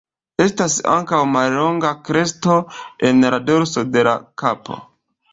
Estas ankaŭ mallonga kresto en la dorso de la kapo.